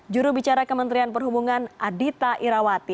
juru bicara kementerian perhubungan adhita irawati